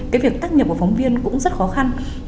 cái việc tác nhập của phóng viên cũng rất khó khăn